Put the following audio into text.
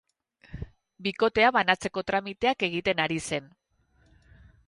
Bikotea banatzeko tramiteak egiten ari zen.